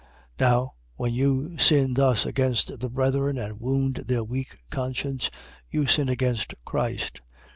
8:12. Now when you sin thus against the brethren and wound their weak conscience, you sin against Christ.